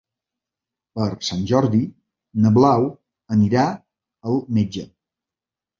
Per Sant Jordi na Blau anirà al metge.